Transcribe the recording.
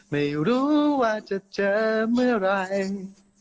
ไม่รู้ว่าจะเจอเมื่อไหร่